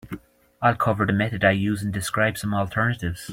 I'll cover the method I use and describe some alternatives.